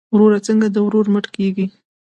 ورور څنګه د ورور مټ کیږي؟